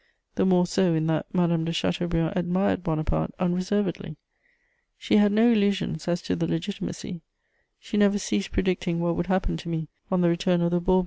The more so in that Madame de Chateaubriand admired Bonaparte unreservedly; she had no illusions as to the Legitimacy: she never ceased predicting what would happen to me on the return of the Bourbons.